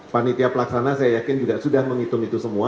panitia pelaksana saya yakin juga sudah menghitung itu semua